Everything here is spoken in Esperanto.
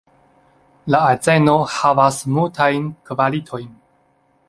La azeno havas multajn kvalitojn.